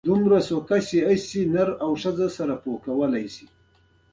د زابل په دایچوپان کې د ګچ نښې شته.